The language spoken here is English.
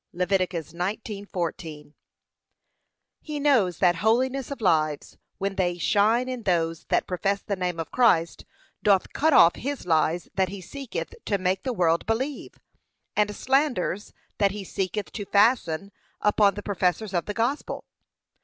(Lev. 19:14) He knows that holiness of lives, when they shine in those that profess the name of Christ, doth cut off his lies that he seeketh to make the world believe, and slanders that he seeketh to fasten upon the professors of the gospel.